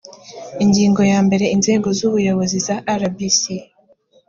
ingingo ya mbere inzego z’ubuyobozi za rbc